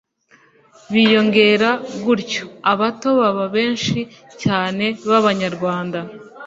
biyongera gutyo abato baba benshi cyane b'abanyarwanda